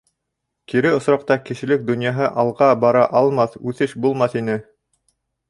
Кире осраҡта кешелек донъяһы алға бара алмаҫ, үҫеш булмаҫ ине.